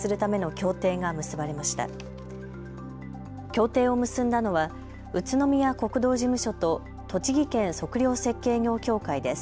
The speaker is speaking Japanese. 協定を結んだのは宇都宮国道事務所と栃木県測量設計業協会です。